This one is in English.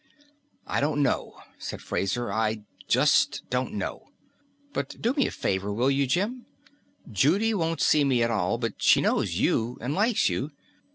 "I don't know," said Fraser; "I just don't know. But do me a favor, will you, Jim? Judy won't see me at all, but she knows you and likes you.